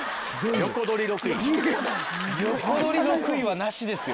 横取り６位はなしですよ